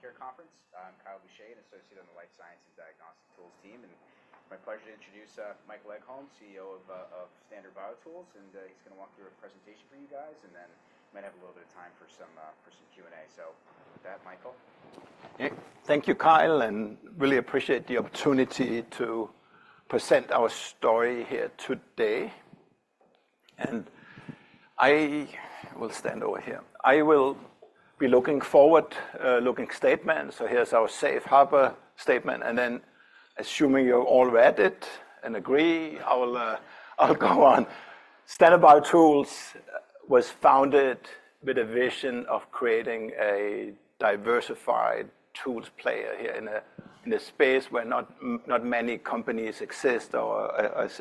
Good afternoon, everybody. Welcome back to the 44th Annual TD Cowen Healthcare Conference. I'm Kyle Boucher, an associate on the Life Science and Diagnostic Tools team, and it's my pleasure to introduce Michael Egholm, CEO of Standard BioTools. He's gonna walk through a presentation for you guys, and then might have a little bit of time for some Q&A. So with that, Michael. Yeah. Thank you, Kyle, and really appreciate the opportunity to present our story here today. And I will stand over here. I will be looking forward-looking statement. So here's our safe harbor statement. And then, assuming you're all read it and agree, I'll, I'll go on. Standard BioTools was founded with a vision of creating a diversified tools player here in a space where not many companies exist or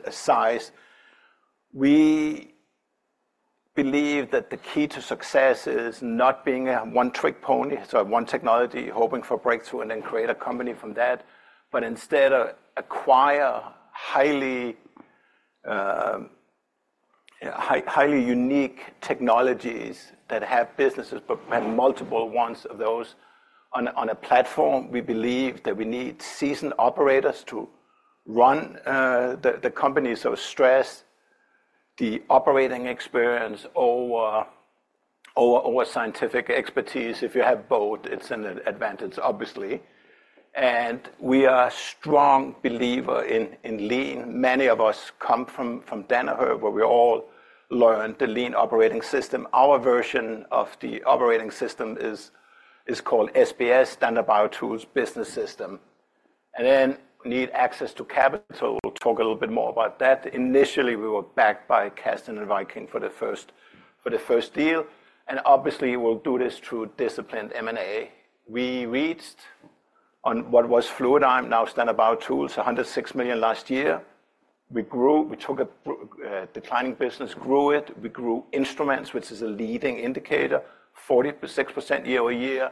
a size. We believe that the key to success is not being a one-trick pony, so one technology, hoping for breakthrough, and then create a company from that, but instead to acquire highly unique technologies that have businesses but have multiple ones of those on a platform. We believe that we need seasoned operators to run the company, so stress the operating experience over scientific expertise. If you have both, it's an advantage, obviously. We are a strong believer in lean. Many of us come from Danaher, where we all learned the lean operating system. Our version of the operating system is called SBS, Standard BioTools Business System. Then we need access to capital. We'll talk a little bit more about that. Initially, we were backed by Casdin and Viking for the first deal. Obviously, we'll do this through disciplined M&A. We reached $106 million on what was Fluidigm, now Standard BioTools, last year. We grew. We took a broadly declining business, grew it. We grew instruments, which is a leading indicator, 46% year-over-year.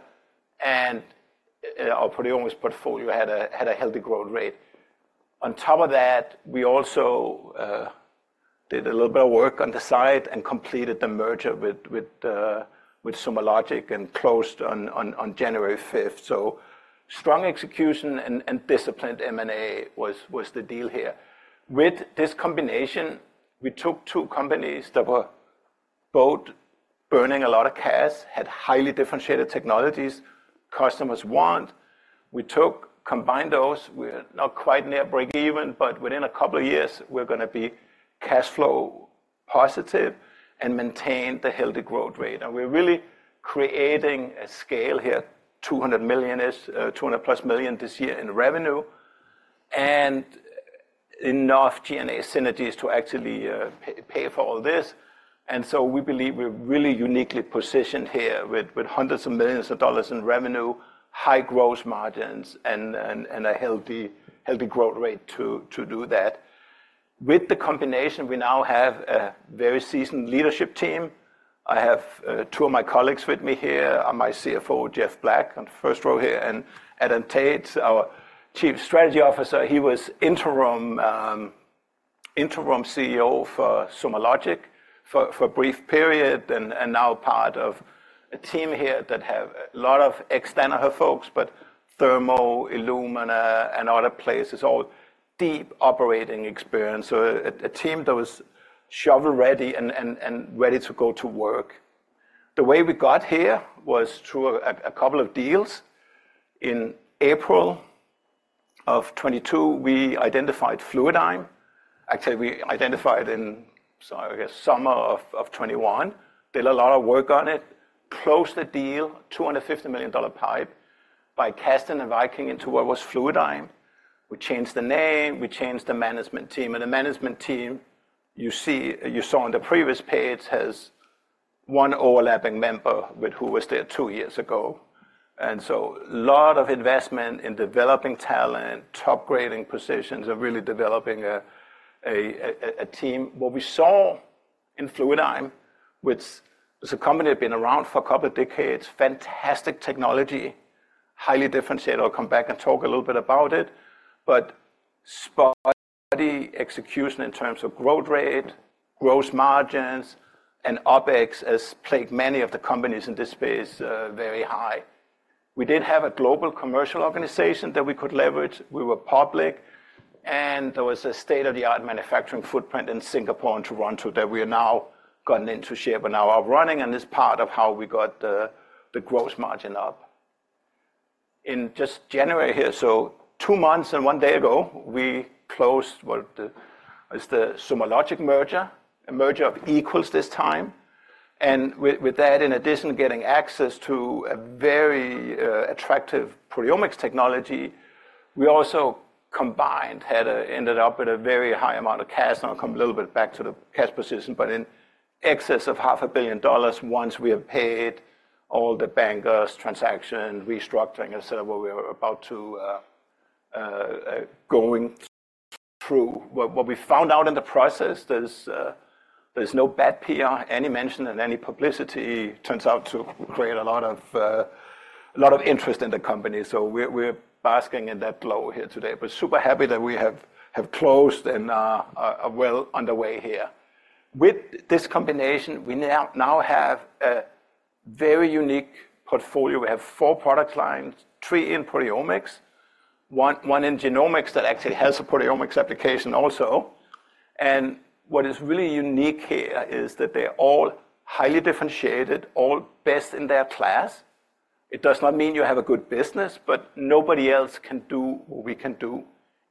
Our proteomics portfolio had a healthy growth rate. On top of that, we also did a little bit of work on the side and completed the merger with SomaLogic and closed on January 5th. So strong execution and disciplined M&A was the deal here. With this combination, we took two companies that were both burning a lot of cash, had highly differentiated technologies, customers want. We took combined those. We're not quite near break-even, but within a couple of years, we're gonna be cash flow positive and maintain the healthy growth rate. And we're really creating a scale here, $200 million-ish, $200+ million this year in revenue and enough G&A synergies to actually pay for all this. And so we believe we're really uniquely positioned here with hundreds of millions of dollars in revenue, high growth margins, and a healthy growth rate to do that. With the combination, we now have a very seasoned leadership team. I have two of my colleagues with me here. I have my CFO, Jeff Black, on the first row here, and Adam Taich, our Chief Strategy Officer. He was interim CEO for SomaLogic for a brief period and now part of a team here that have a lot of external folks, but Thermo, Illumina, and other places, all deep operating experience. So a team that was shovel-ready and ready to go to work. The way we got here was through a couple of deals. In April of 2022, we identified Fluidigm. Actually, we identified it in, so I guess, summer of 2021. Did a lot of work on it, closed the deal, $250 million PIPE, by Casdin and Viking into what was Fluidigm. We changed the name. We changed the management team. The management team, you see you saw on the previous page, has one overlapping member with who was there two years ago. So a lot of investment in developing talent, top-grading positions, and really developing a team what we saw in Fluidigm, which is a company that had been around for a couple of decades, fantastic technology, highly differentiated. I'll come back and talk a little bit about it. But spotty execution in terms of growth rate, gross margins, and OpEx, as plagued many of the companies in this space, very high. We did have a global commercial organization that we could leverage. We were public. And there was a state-of-the-art manufacturing footprint in Singapore and Toronto that we have now gotten into shape but now are running. And this is part of how we got the growth margin up. In just January here, so two months and one day ago, we closed what is the SomaLogic merger, a merger of equals this time. And with that, in addition, getting access to a very attractive proteomics technology, we also combined and ended up with a very high amount of cash. Now, I'll come a little bit back to the cash position, but in excess of $500 million once we have paid all the bankers, transaction, restructuring, etc., what we were about to go through. What we found out in the process, there's no bad PR. Any mention and any publicity turns out to create a lot of interest in the company. So we're basking in that glow here today. But super happy that we have closed and are well underway here. With this combination, we now have a very unique portfolio. We have four product lines, three in proteomics, one in genomics that actually has a proteomics application also. And what is really unique here is that they're all highly differentiated, all best in their class. It does not mean you have a good business, but nobody else can do what we can do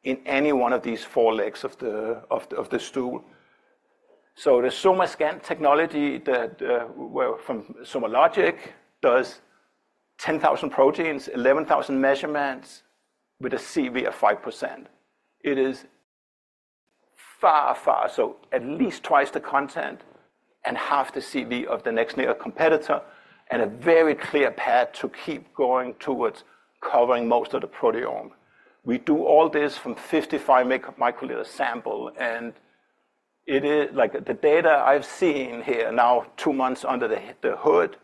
in any one of these four legs of the stool. So the SomaScan technology that we're from SomaLogic does 10,000 proteins, 11,000 measurements with a CV of 5%. It is far, far so at least twice the content and half the CV of the next-near competitor and a very clear path to keep going towards covering most of the proteome. We do all this from 55 microliter sample. And it is like, the data I've seen here, now two months under the hood,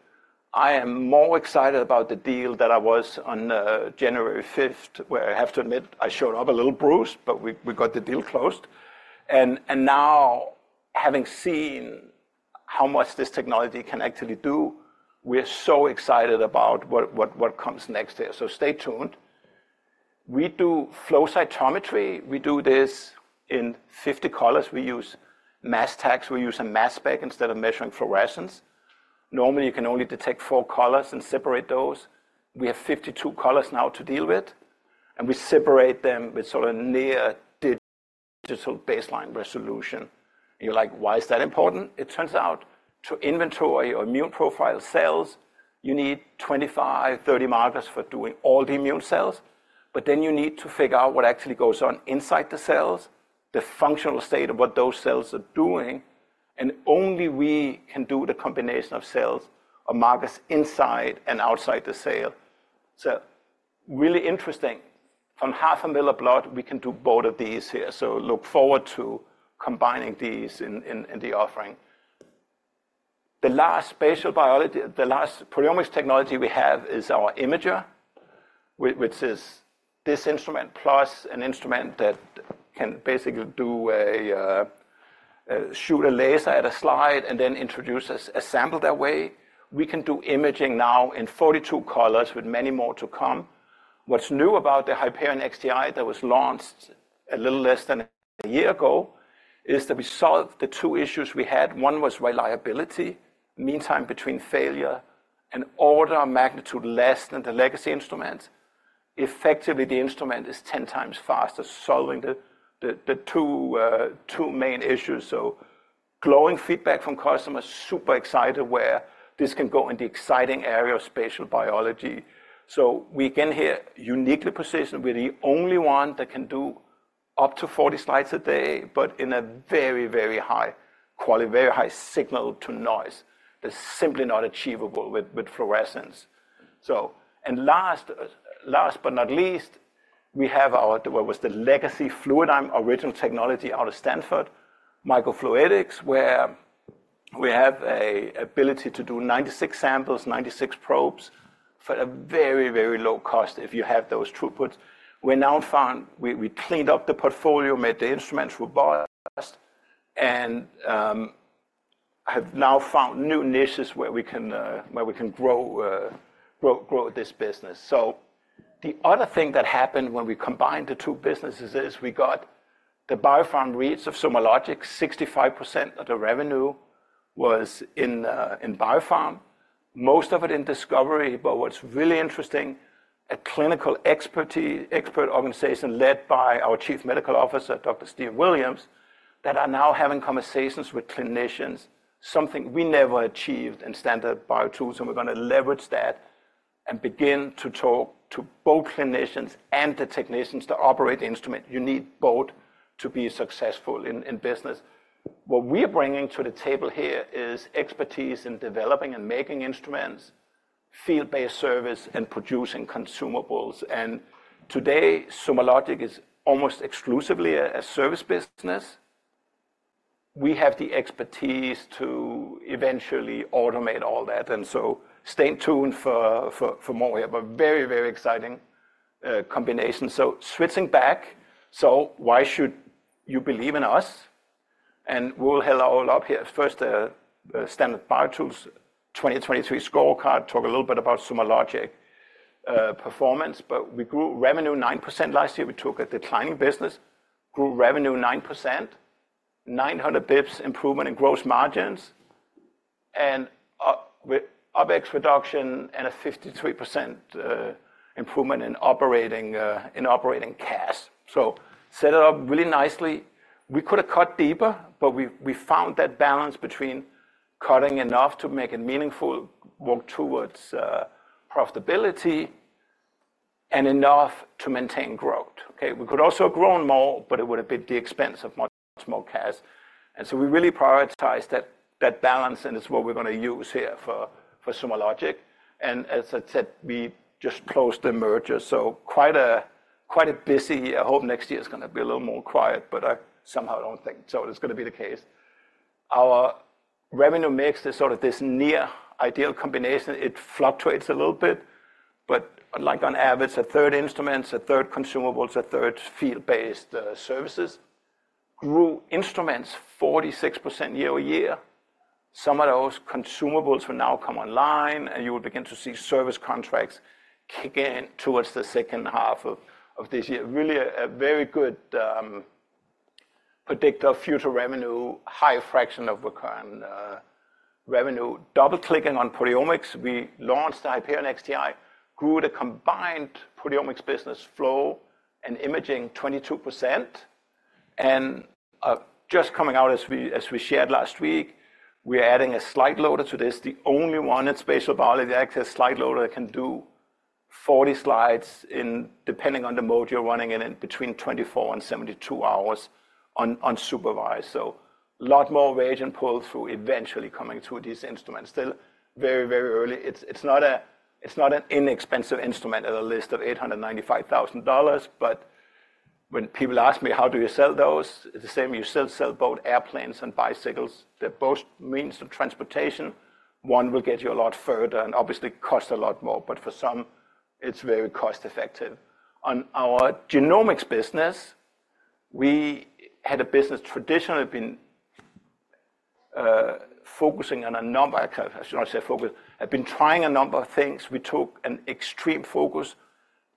I am more excited about the deal than I was on January 5th, where I have to admit, I showed up a little bruised, but we, we got the deal closed. And, and now, having seen how much this technology can actually do, we're so excited about what, what, what comes next here. So stay tuned. We do flow cytometry. We do this in 50 colors. We use mass tags. We use a mass spec instead of measuring fluorescence. Normally, you can only detect four colors and separate those. We have 52 colors now to deal with. And you're like, "Why is that important?" It turns out, to inventory or immune profile cells, you need 25, 30 markers for doing all the immune cells. But then you need to figure out what actually goes on inside the cells, the functional state of what those cells are doing. And only we can do the combination of cells or markers inside and outside the cell. So really interesting. From half a milliliter blood, we can do both of these here. So look forward to combining these in the offering. The last spatial biology, the last proteomics technology we have is our imager, which is this instrument plus an instrument that can basically do shoot a laser at a slide and then introduce us a sample that way. We can do imaging now in 42 colors with many more to come. What's new about the Hyperion XTi that was launched a little less than a year ago is that we solved the two issues we had. One was reliability, meantime between failure, and order of magnitude less than the legacy instruments. Effectively, the instrument is 10 times faster, solving the two main issues. So glowing feedback from customers, super excited where this can go in the exciting area of spatial biology. So we, again, here uniquely positioned. We're the only one that can do up to 40 slides a day but in a very, very high quality, very high signal to noise that's simply not achievable with fluorescence. So, last but not least, we have our what was the legacy Fluidigm original technology out of Stanford, microfluidics, where we have an ability to do 96 samples, 96 probes, for a very, very low cost if you have those throughputs. We now found we cleaned up the portfolio, made the instruments robust, and have now found new niches where we can grow, grow, grow this business. So the other thing that happened when we combined the two businesses is we got the biopharma reach of SomaLogic. 65% of the revenue was in biopharma, most of it in discovery. But what's really interesting, a clinical expertise expert organization led by our Chief Medical Officer, Dr. Stephen Williams, that are now having conversations with clinicians, something we never achieved in Standard BioTools. And we're gonna leverage that and begin to talk to both clinicians and the technicians to operate the instrument. You need both to be successful in business. What we are bringing to the table here is expertise in developing and making instruments, field-based service, and producing consumables. And today, SomaLogic is almost exclusively a service business. We have the expertise to eventually automate all that. And so stay tuned for more here. But very, very exciting combination. So switching back, so why should you believe in us? And we'll lay it all out up here. First, Standard BioTools 2023 scorecard. Talk a little bit about SomaLogic performance. But we grew revenue 9% last year. We took a declining business, grew revenue 9%, 900 bps improvement in gross margins, and with OpEx reduction and a 53% improvement in operating cash. So set it up really nicely. We could have cut deeper, but we found that balance between cutting enough to make it meaningful, walk towards profitability, and enough to maintain growth. Okay? We could also have grown more, but it would have been at the expense of much, much more cash. And so we really prioritized that balance. And it's what we're gonna use here for SomaLogic. And as I said, we just closed the merger. So quite a busy year. I hope next year is gonna be a little more quiet, but I somehow don't think so it's gonna be the case. Our revenue mix is sort of this near-ideal combination. It fluctuates a little bit. But like on average, the third instruments, the third consumables, the third field-based services, grew instruments 46% year-over-year. Some of those consumables will now come online, and you'll begin to see service contracts kick in towards the second half of this year. Really a very good predictor of future revenue, high fraction of recurring revenue. Double-clicking on proteomics, we launched the Hyperion XTi, grew the combined proteomics business flow and imaging 22%. Just coming out as we shared last week, we are adding a slide loader to this, the only one in spatial biology access slide loader that can do 40 slides in, depending on the mode you're running in, 24-72 hours on supervised. So a lot more throughput and pull-through eventually coming through these instruments. Still very, very early. It's not an inexpensive instrument at a list of $895,000. But when people ask me, "How do you sell those?" It's the same. You still sell both airplanes and bicycles. They're both means of transportation. One will get you a lot further and obviously cost a lot more. But for some, it's very cost-effective. On our genomics business, we had a business traditionally been focusing on a number I should not say focused. Had been trying a number of things. We took an extreme focus,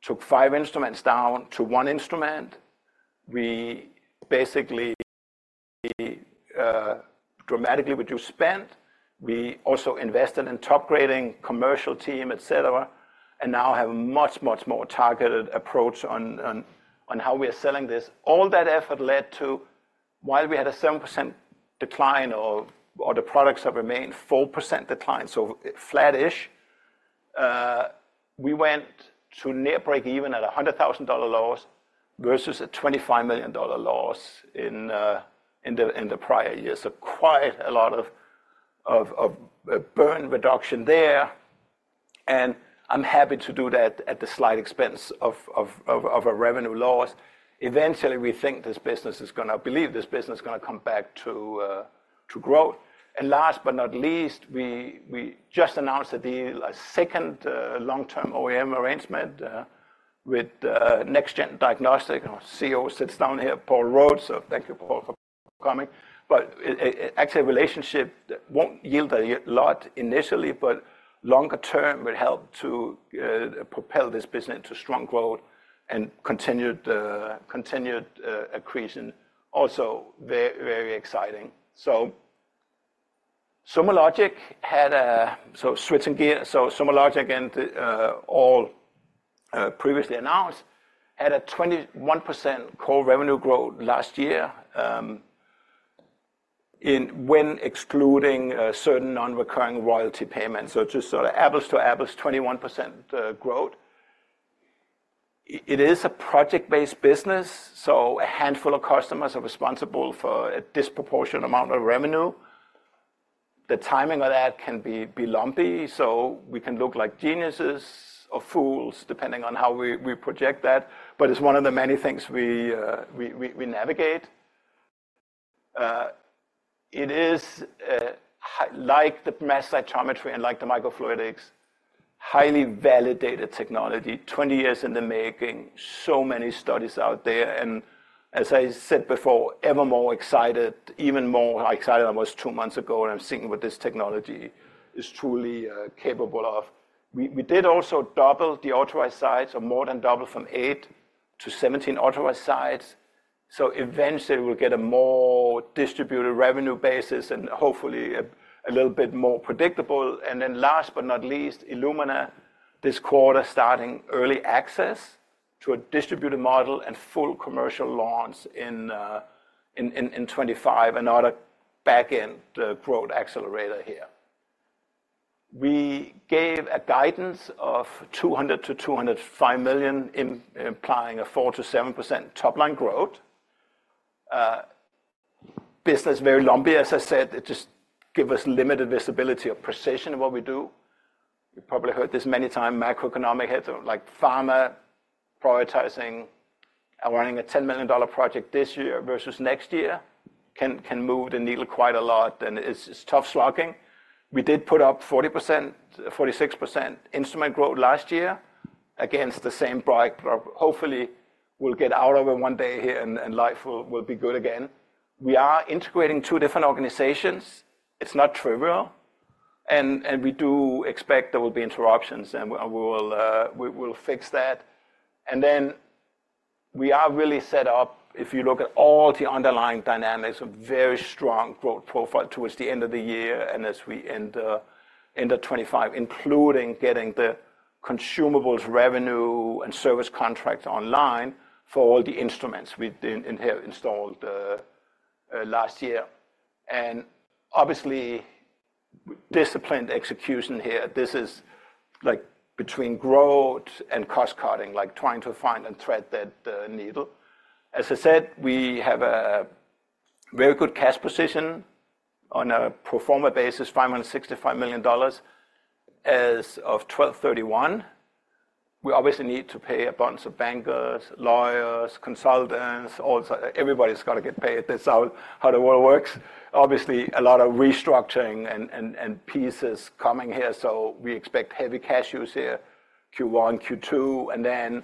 took five instruments down to one instrument. We basically dramatically reduced spend. We also invested in top-grading commercial team, etc., and now have a much, much more targeted approach on, on, on how we are selling this. All that effort led to, while we had a 7% decline or, or the products have remained 4% decline, so flat-ish, we went to near break-even at $100,000 loss versus a $25 million loss in, in the in the prior year. So quite a lot of, of, of burn reduction there. And I'm happy to do that at the slight expense of, of, of, of a revenue loss. Eventually, we think this business is gonna believe this business is gonna come back to, to growth. And last but not least, we, we just announced the deal, a second, long-term OEM arrangement, with Next Gen Diagnostics. Our CEO sits down here, Paul Rhodes. So thank you, Paul, for coming. But it actually a relationship that won't yield a lot initially, but longer term would help to propel this business into strong growth and continued accretion. Also very, very exciting. So SomaLogic, switching gear. So SomaLogic and all previously announced had a 21% core revenue growth last year when excluding certain non-recurring royalty payments. So just sort of apples to apples, 21% growth. It is a project-based business. So a handful of customers are responsible for a disproportionate amount of revenue. The timing of that can be lumpy. So we can look like geniuses or fools depending on how we project that. But it's one of the many things we navigate. It is, like the mass cytometry and like the microfluidics, highly validated technology, 20 years in the making, so many studies out there. And as I said before, ever more excited, even more excited than I was two months ago. And I'm seeing what this technology is truly capable of. We did also double the authorized sites or more than double from 8 to 17 authorized sites. So eventually, we'll get a more distributed revenue basis and hopefully a little bit more predictable. And then last but not least, Illumina, this quarter starting early access to a distributed model and full commercial launch in 2025, another backend growth accelerator here. We gave a guidance of $200 million-$205 million, implying a 4%-7% top-line growth. Business very lumpy, as I said. It just gives us limited visibility or precision of what we do. You probably heard this many times, macroeconomic headwinds, like pharma prioritizing running a $10 million project this year versus next year can move the needle quite a lot. And it's tough slogging. We did put up 40%, 46% instrument growth last year against the same headwinds. But hopefully, we'll get out of it one day here, and life will be good again. We are integrating two different organizations. It's not trivial. And we do expect there will be interruptions. And we will fix that. And then we are really set up, if you look at all the underlying dynamics, a very strong growth profile towards the end of the year and as we end of 2025, including getting the consumables revenue and service contracts online for all the instruments we inherit installed last year. And obviously, disciplined execution here. This is, like, between growth and cost-cutting, like trying to find and thread that needle. As I said, we have a very good cash position on a pro forma basis, $565 million as of 12/31/2023. We obviously need to pay a bunch of bankers, lawyers, consultants. All everybody's gotta get paid. That's how the world works. Obviously, a lot of restructuring and pieces coming here. So we expect heavy cash use here, Q1, Q2. And then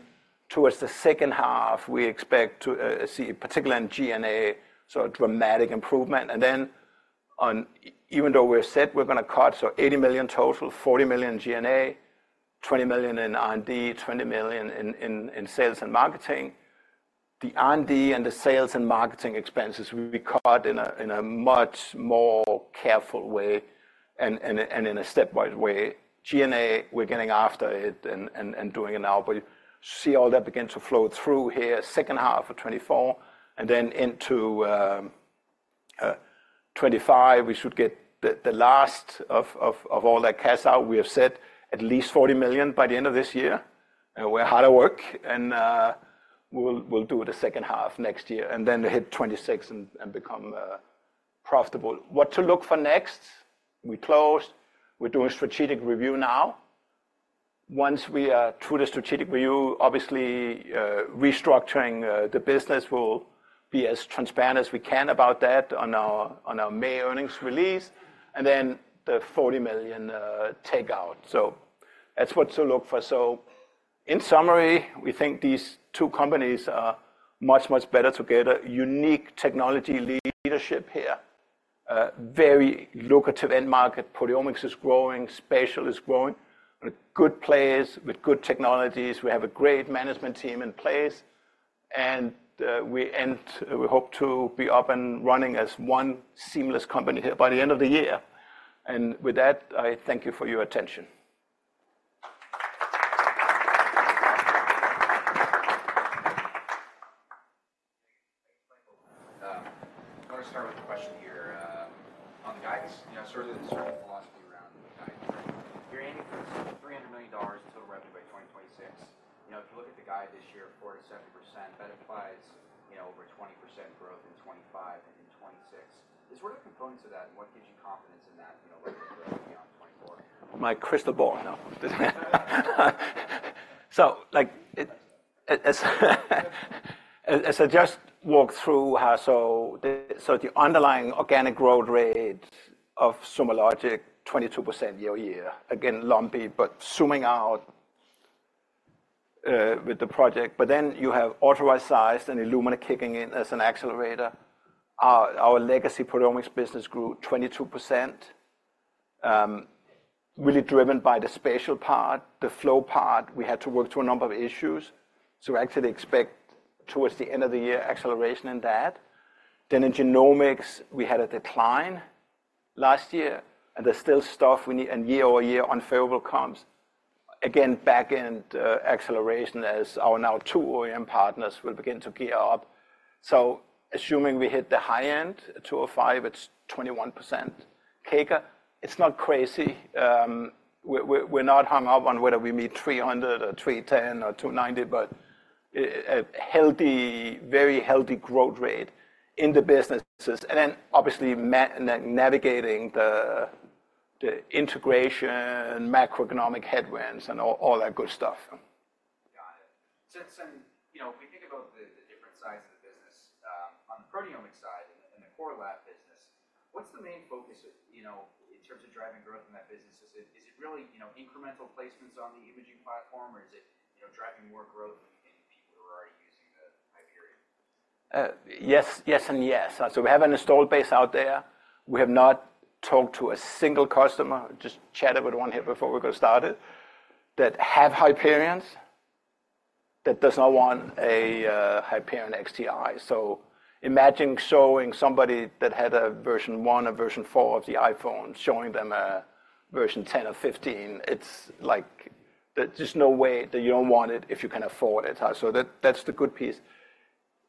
towards the second half, we expect to see particularly in G&A, sort of dramatic improvement. And then, even though we're set we're gonna cut, so $80 million total, $40 million in G&A, $20 million in R&D, $20 million in sales and marketing, the R&D and the sales and marketing expenses, we cut in a much more careful way and in a stepwise way. G&A, we're getting after it and doing it now. But you see all that begin to flow through here, second half of 2024. And then into 2025, we should get the last of all that cash out. We have set at least $40 million by the end of this year. And we're hard at work. And we'll do it the second half next year and then hit 2026 and become profitable. What to look for next? We closed. We're doing strategic review now. Once we are through the strategic review, obviously, restructuring the business will be as transparent as we can about that on our May earnings release. And then the $40 million takeout. So that's what to look for. So in summary, we think these two companies are much better together, unique technology leadership here, very lucrative end market. Proteomics is growing. Spatial is growing. A good place with good technologies. We have a great management team in place. And, we end we hope to be up and running as one seamless company here by the end of the year. And with that, I thank you for your attention. Thanks, Michael. I wanna start with a question here, on the guidance. You know, sort of the sort of the philosophy around the guidance, right? You're aiming for $300 million total revenue by 2026. You know, if you look at the guide this year, 4%-7%, that implies, you know, over 20% growth in 2025 and in 2026. Is there any components of that? And what gives you confidence in that, you know, revenue growth beyond 2024? My crystal ball. No. So, like, as I just walked through how the underlying organic growth rate of SomaLogic, 22% year-over-year, again, lumpy. But zooming out, with the project. But then you have authorized size and Illumina kicking in as an accelerator. Our legacy proteomics business grew 22%, really driven by the spatial part, the flow part. We had to work through a number of issues. So we actually expect towards the end of the year acceleration in that. Then in genomics, we had a decline last year. And there's still stuff we need and year-over-year, unfavorable comps. Again, back-end, acceleration as our now two OEM partners will begin to gear up. So assuming we hit the high end, a two or five, it's 21% CAGR. It's not crazy. We're not hung up on whether we meet 300 or 310 or 290, but a healthy, very healthy growth rate in the businesses. And then obviously, M&A navigating the integration, macroeconomic headwinds and all that good stuff. Got it. So, you know, if we think about the different sides of the business, on the proteomics side and the core lab business, what's the main focus of, you know, in terms of driving growth in that business? Is it really, you know, incremental placements on the imaging platform? Or is it, you know, driving more growth in people who are already using the Hyperion? Yes. Yes and yes. So we have an installed base out there. We have not talked to a single customer, just chatted with one here before we got started, that have Hyperions that does not want a Hyperion XTi. So imagine showing somebody that had a version one or version four of the iPhone, showing them a version 10 or 15. It's like there's just no way that you don't want it if you can afford it. So that, that's the good piece.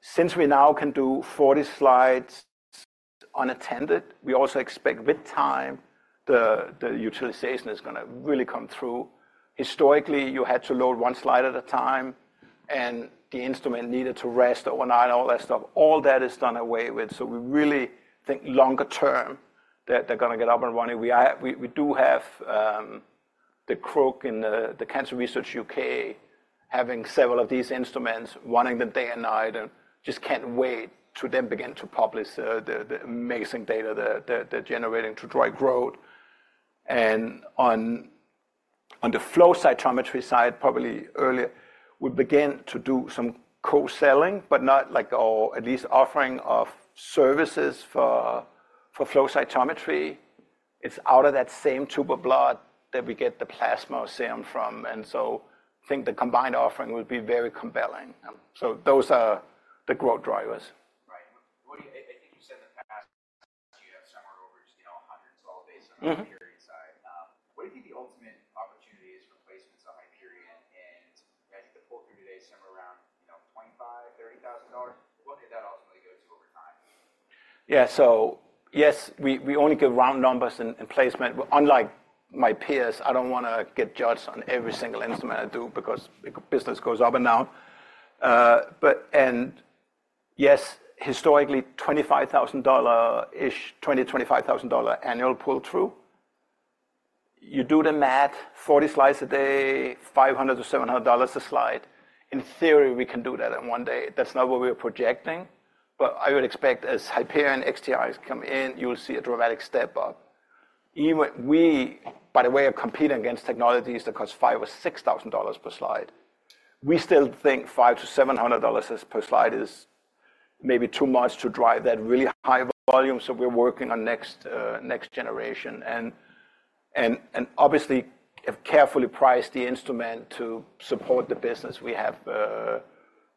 Since we now can do 40 slides unattended, we also expect with time, the utilization is gonna really come through. Historically, you had to load one slide at a time. And the instrument needed to rest overnight and all that stuff. All that is done away with. So we really think longer term that they're gonna get up and running. We do have CRUK, the Cancer Research UK, having several of these instruments, running them day and night, and just can't wait to then begin to publish the amazing data that they're generating to drive growth. And on the flow cytometry side, probably earlier, we'll begin to do some co-selling, but not, like, or at least offering of services for flow cytometry. It's out of that same tube of blood that we get the plasma serum from. And so I think the combined offering will be very compelling. So those are the growth drivers. Right. What do you, I think you said in the past, last year, somewhere over just, you know, 100. All based on the Hyperion side. What do you think the ultimate opportunity is for placements of Hyperion? And I think the pull-through today is somewhere around, you know, $25,000-$30,000. What did that ultimately go to over time? Yeah. So yes, we only get round numbers in placement. Unlike my peers, I don't wanna get judged on every single instrument I do because the business goes up and down. But yes, historically, $25,000-ish, $20,000-$25,000 annual pull-through. You do the math, 40 slides a day, $500-$700 a slide. In theory, we can do that in one day. That's not what we are projecting. But I would expect as Hyperion XTis come in, you'll see a dramatic step up. Even we, by the way, are competing against technologies that cost $5,000 or $6,000 per slide. We still think $5,000-$700 per slide is maybe too much to drive that really high volume. So we're working on next generation. And obviously, have carefully priced the instrument to support the business we have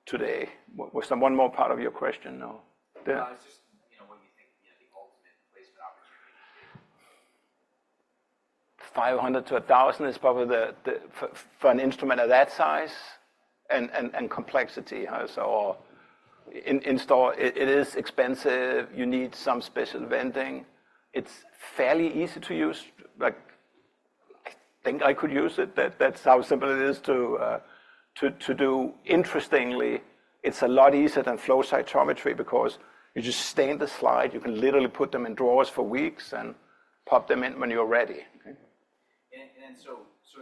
today. Was there one more part of your question? No. No, it's just, you know, what you think, you know, the ultimate placement opportunity would be. 500-1,000 is probably for an instrument of that size and complexity. So installation is expensive. You need some special venting. It's fairly easy to use. Like, I think I could use it. That's how simple it is to do. Interestingly, it's a lot easier than Flow cytometry because you just stain the slide. You can literally put them in drawers for weeks and pop them in when you're ready. Okay.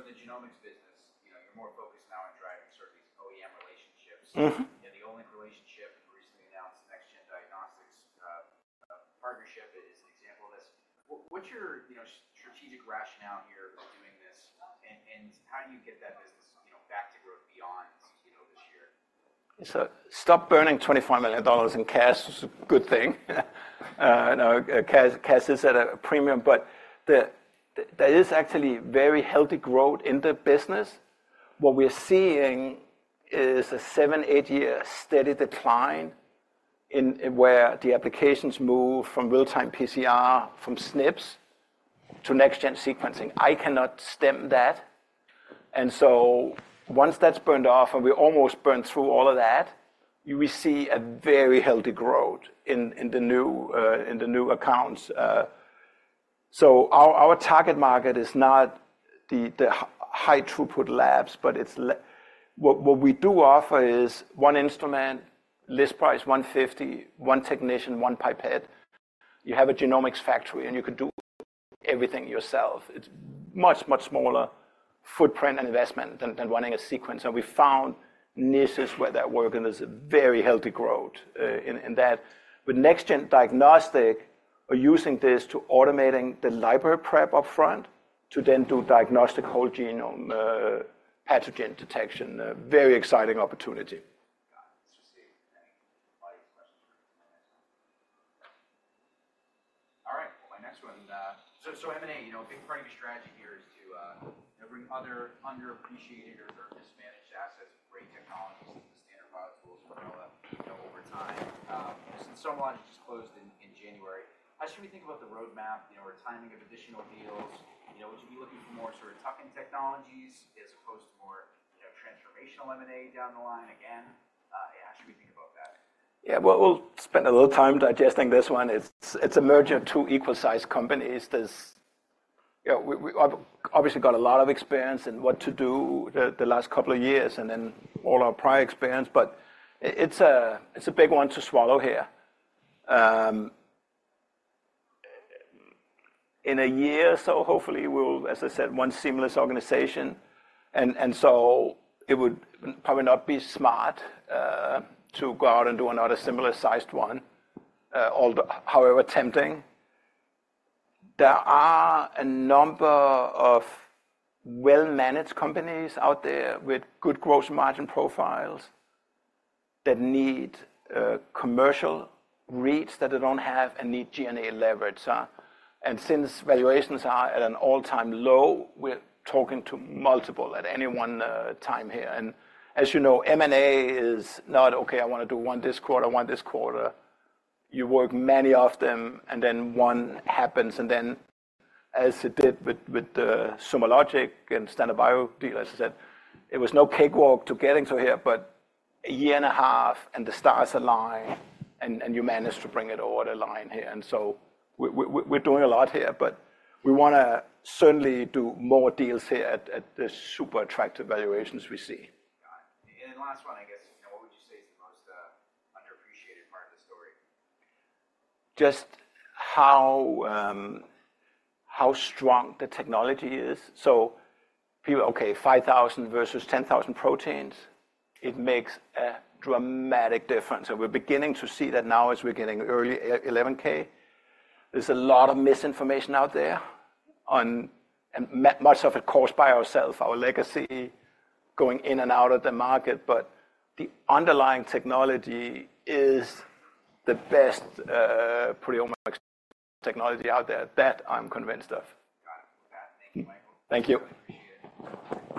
In the genomics business, you know, you're more focused now on driving sort of these OEM relationships. Mm-hmm. You know, the Olink relationship and recently announced Next Gen Diagnostics partnership is an example of this. What’s your, you know, strategic rationale here for doing this? And how do you get that business, you know, back to growth beyond, you know, this year? So stop burning $25 million in cash. It's a good thing. You know, cash, cash is at a premium. But there is actually very healthy growth in the business. What we're seeing is a seven-eight-year steady decline in where the applications move from real-time PCR, from SNPs, to next-gen sequencing. I cannot stem that. And so once that's burned off and we almost burn through all of that, we see a very healthy growth in the new accounts. So our target market is not the high-throughput labs, but it's what we do offer is one instrument, list price $150, one technician, one pipette. You have a genomics factory, and you could do everything yourself. It's much smaller footprint and investment than running a sequence. We found niches where that work and there's a very healthy growth in that. With Next Gen Diagnostics, we're using this to automating the library prep upfront to then do diagnostic whole genome pathogen detection. Very exciting opportunity. Got it. Interesting. Any questions for my next one? All right. Well, my next one, so, so M&A, you know, a big part of your strategy here is to, you know, bring other underappreciated or, or mismanaged assets, great technologies into the Standard BioTools panel, you know, over time. Since SomaLogic just closed in, in January, how should we think about the roadmap, you know, or timing of additional deals? You know, would you be looking for more sort of tuck-in technologies as opposed to more, you know, transformational M&A down the line again? How should we think about that? Yeah. Well, we'll spend a little time digesting this one. It's a merger of two equal-sized companies. There is, yeah, we obviously got a lot of experience in what to do the last couple of years and then all our prior experience. But it's a big one to swallow here. In a year or so, hopefully, we'll, as I said, one seamless organization. And so it would probably not be smart to go out and do another similar-sized one, although however tempting. There are a number of well-managed companies out there with good gross margin profiles that need commercial reach that they don't have and need G&A leverage. And since valuations are at an all-time low, we're talking to multiple at any one time here. And as you know, M&A is not, "Okay, I wanna do one this quarter. I want this quarter." You work many of them, and then one happens. And then as it did with the SomaLogic and Standard BioTools deal, as I said, it was no cakewalk to getting to here. But a year and a half, and the stars align, and you manage to bring it all to line here. And so we, we're doing a lot here. But we wanna certainly do more deals here at the super attractive valuations we see. Got it. Then last one, I guess, you know, what would you say is the most underappreciated part of the story? Just how strong the technology is. So people, "Okay, 5,000 versus 10,000 proteins." It makes a dramatic difference. And we're beginning to see that now as we're getting early 11,000. There's a lot of misinformation out there, and much of it caused by ourselves, our legacy going in and out of the market. But the underlying technology is the best proteomics technology out there that I'm convinced of. Got it. Thank you, Michael. Thank you. Appreciate it.